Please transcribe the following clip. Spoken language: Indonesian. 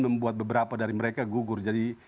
membuat beberapa dari mereka gugur jadi